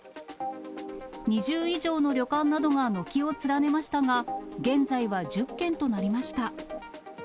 ２０以上の旅館などが軒を連ねましたが、現在は１０軒となりました。